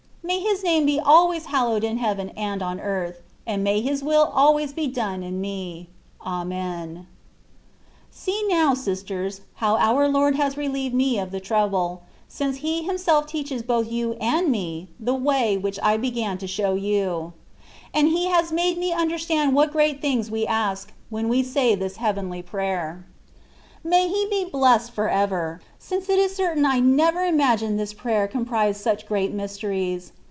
May His name be always hallowed in heaven and on earth, and may His will always be done in me. Amen. See now, sisters, how our Lord has relieved me of the trouble, since He Himself teaches both you and me, the ^' way''* which I began to show you; and He has made me understand what great things we ask, when we say this heavenly prayer. * That is, the "Way of Perfection." THE WAY OF PERFECTION. 217 May He be blessed for ever, since it is certain I never imagined this prayer comprised such great mysteries.